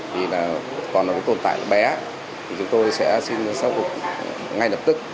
vì còn tồn tại bé chúng tôi sẽ xin khắc phục ngay lập tức